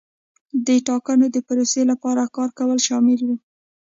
د ټاکنو د پروسې لپاره کار کول شامل وو.